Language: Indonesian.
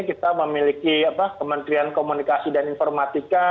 kita memiliki kementerian komunikasi dan informatika